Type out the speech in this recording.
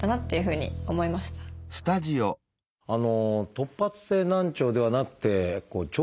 突発性難聴ではなくて聴